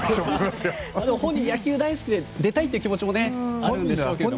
本人は野球大好きで出たいという気持ちもあるんでしょうけどね。